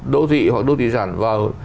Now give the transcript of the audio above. đô thị hoặc đô thị sản vào